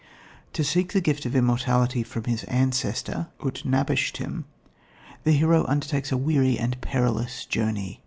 To seek the gift of immortality from his ancestor, Ut napishtim, the hero undertakes a weary and perilous journey.